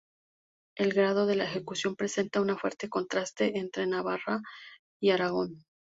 El grado de la ejecución presenta un fuerte contraste entre Navarra y Aragón.